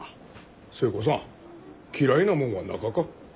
寿恵子さん嫌いなもんはなかか？